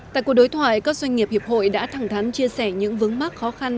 tại cuộc đối thoại các doanh nghiệp hiệp hội đã thẳng thắn chia sẻ những vướng mắc khó khăn